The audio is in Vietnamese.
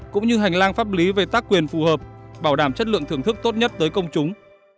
cũng như hành lang pháp lý về tác quyền phù hợp bảo đảm chất lượng thưởng thức tốt nhất tới công chúng